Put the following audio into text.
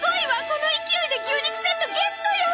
この勢いで牛肉セットゲットよ！